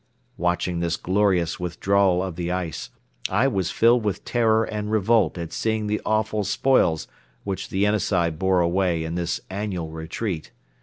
Watching this glorious withdrawal of the ice, I was filled with terror and revolt at seeing the awful spoils which the Yenisei bore away in this annual retreat.